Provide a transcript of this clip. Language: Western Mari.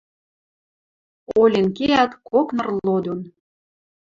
Олен кеӓт кок ныр ло дон